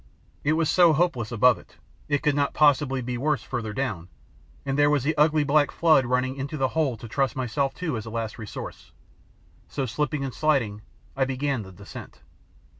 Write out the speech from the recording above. It was so hopeless up above it, it could not possibly be worse further down, and there was the ugly black flood running into the hole to trust myself to as a last resource; so slipping and sliding I began the descent.